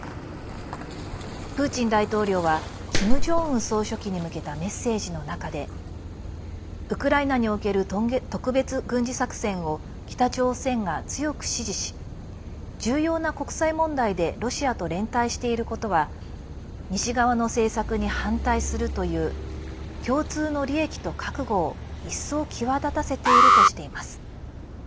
プーチン大統領はキム・ジョンウン総書記に向けたメッセージの中でウクライナにおける特別軍事作戦を北朝鮮が強く支持し重要な国際問題でロシアと連帯していることは西側の政策に反対するという共通の利益と覚悟を一層際立たせているとしています。